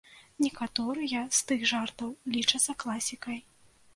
Некаторыя з тых жартаў лічацца класікай.